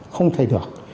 không thể được